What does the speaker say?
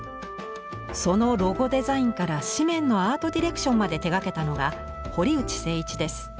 そのロゴデザインから紙面のアートディレクションまで手がけたのが堀内誠一です。